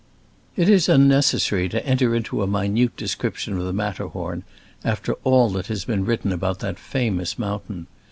It is unnecessary to enter into a mi nute description of the Matterhorn after all that has been written about that fa mous mountain.